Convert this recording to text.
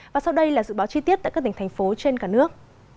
và sau đây là dự báo chi tiết tại các tỉnh thành phố trên cả nước